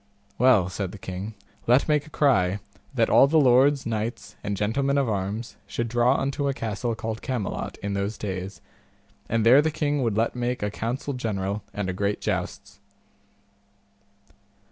Well, said the king, let make a cry, that all the lords, knights, and gentlemen of arms, should draw unto a castle called Camelot in those days, and there the king would let make a council general and a great jousts.